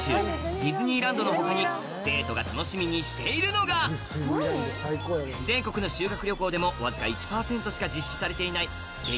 ディズニーランドの他に生徒が楽しみにしているのが全国の修学旅行でもわずか１％しか実施されていない激